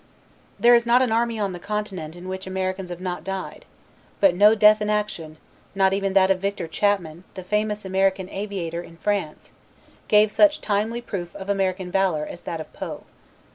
'" "There is not an army on the continent in which Americans have not died, but no death in action, not even that of Victor Chapman the famous American aviator in France, gave such timely proof of American valor as that of Poe.